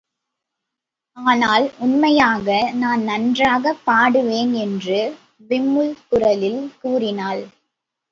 ஆனால் உண்மையாக நான் நன்றாகப் பாடுவேன்! என்று விம்மும் குரலில் கூறினாள்.